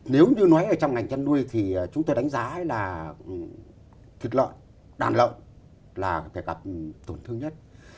nếu như nói ở trong ngành chăn nuôi thì chúng tôi đánh giá là thịt lợn đàn lợn là có thể gặp tổn thương nhất